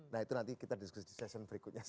nah itu nanti kita diskusi di session berikutnya